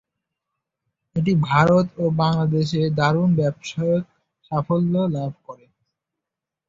এটি ভারত ও বাংলাদেশে দারুণ ব্যবসায়ীক সাফল্য লাভ করে।